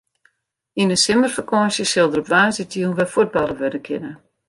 Yn de simmerfakânsje sil der op woansdeitejûn wer fuotballe wurde kinne.